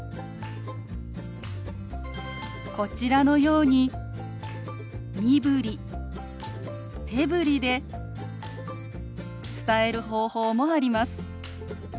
こちらのように身振り手振りで伝える方法もあります。